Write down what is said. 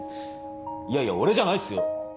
いやいや俺じゃないっすよ。